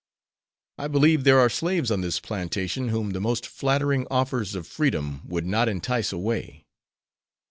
I believe there are slaves on this plantation whom the most flattering offers of freedom would not entice away."